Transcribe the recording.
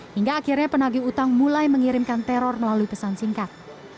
hingga akhirnya penagih utang mulai mengirimkan teror melalui pesan singkat